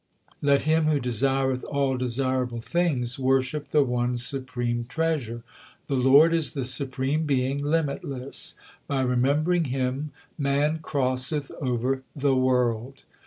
Let him who desireth all desirable things worship the one supreme Treasure. The Lord is the supreme Being, limitless ; by remembering Him man crosseth over the world.